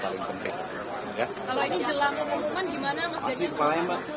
kalau ini jelang pengumuman gimana mas dede